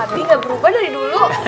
tapi gak berubah dari dulu